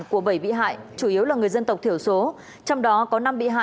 của bảy bị hại chủ yếu là người dân tộc thiểu số